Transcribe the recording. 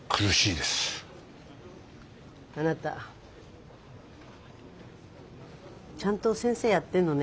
あなたちゃんと先生やってんのね。